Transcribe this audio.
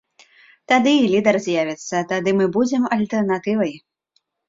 Тады і лідар з'явіцца, тады мы будзем альтэрнатывай.